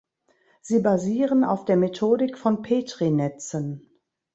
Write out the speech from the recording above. Sie basieren auf der Methodik von Petri-Netzen.